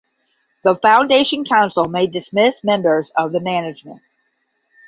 The Foundation Council may dismiss members of the management.